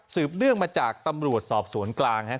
เนื่องมาจากตำรวจสอบสวนกลางครับ